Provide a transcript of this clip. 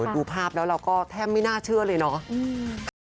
ดูภาพแล้วเราก็แทบไม่น่าเชื่อเลยเนาะ